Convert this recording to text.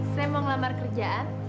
saya mau ngelamar kerjaan